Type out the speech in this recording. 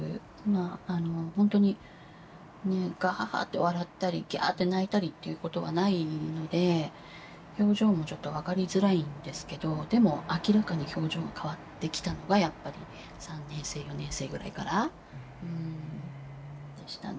ほんとにガハハッて笑ったりギャーッって泣いたりっていうことはないので表情もちょっと分かりづらいんですけどでも明らかに表情が変わってきたのがやっぱり３年生４年生ぐらいからうんでしたね。